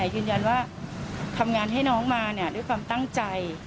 ยืนยันว่าทำงานให้น้องมาด้วยความตั้งใจ